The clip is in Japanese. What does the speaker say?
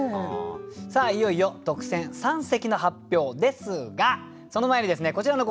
さあいよいよ特選三席の発表ですがその前にですねこちらのコーナー。